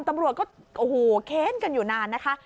ตำรวจก็โอ้โหเค้นกันอยู่นานนะคะ